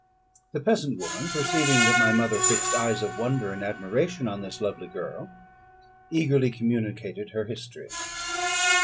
The peasant woman, perceiving that my mother fixed eyes of wonder and admiration on this lovely girl, eagerly communicated her history.